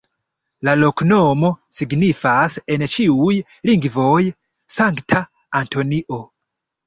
La loknomo signifas en ĉiuj lingvoj: Sankta Antonio.